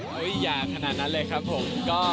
อย่าขนาดนั้นเลยครับผม